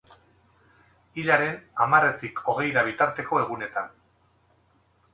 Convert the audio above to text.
Hilaren hamarretik hogeira bitarteko egunetan.